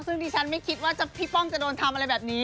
ซึ่งดิฉันไม่คิดว่าพี่ป้องจะโดนทำอะไรแบบนี้